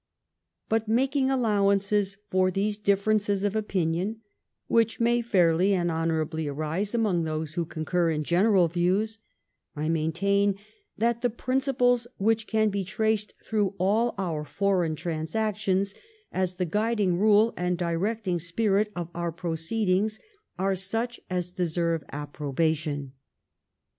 ... But, making allowances for those diffe rences of opinion, which may fairly and honourably arise among those who concur in general views, I maintain that the principles which can be traced through all our foreign transactions, as ih« guiding rule and directing spirit of our proceedings, are such as deserve approbation.